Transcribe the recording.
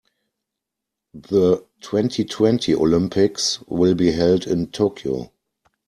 The twenty-twenty Olympics will be held in Tokyo.